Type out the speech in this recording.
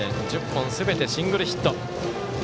１０本すべてシングルヒット。